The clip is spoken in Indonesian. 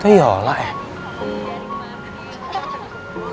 pokoknya bersinar banget kan